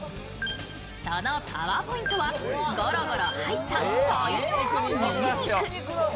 そのパワーポイントはゴロゴロ入った大量のにんにく。